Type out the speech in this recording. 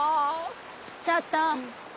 ちょっと！